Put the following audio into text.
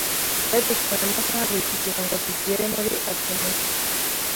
Byadutwaye amasaha abiri kugirango tugere muri Atenayi.